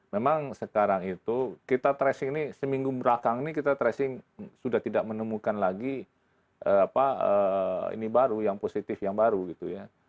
memang sekarang itu kita tracing ini seminggu belakang ini kita tracing sudah tidak menemukan lagi ini baru yang positif yang baru gitu ya